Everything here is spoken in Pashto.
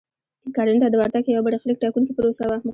کرنې ته د ورتګ یوه برخلیک ټاکونکې پروسه وه.